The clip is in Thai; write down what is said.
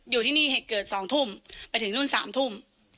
อยู่ที่นี่เหตุเกิด๒ทุ่มไปถึงนู่น๓ทุ่ม